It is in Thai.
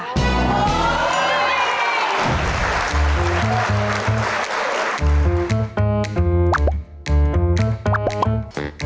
โอ้โฮ